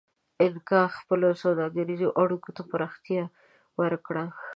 اینکا خپلو سوداګریزو اړیکو ته پراختیا ورکړه.